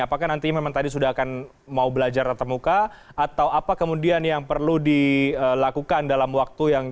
apakah nanti memang tadi sudah akan mau belajar tetap muka atau apa kemudian yang perlu dilakukan dalam waktu yang